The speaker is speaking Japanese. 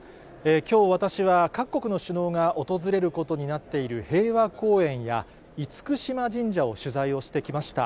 きょう、私は各国の首脳が訪れることになっている平和公園や、厳島神社を取材をしてきました。